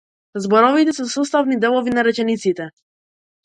Зборовите се составни делови на речениците.